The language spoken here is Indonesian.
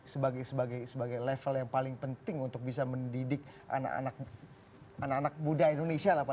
sebagai level yang paling penting untuk bisa mendidik anak anak muda indonesia lah pak